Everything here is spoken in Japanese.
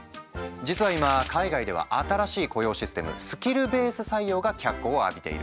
実は今海外では新しい雇用システムスキルベース採用が脚光を浴びている。